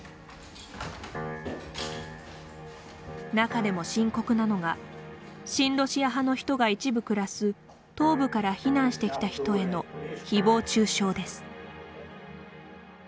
中でも深刻なのが親ロシア派の人が一部暮らす東部から避難してきた人へのひぼう中傷です。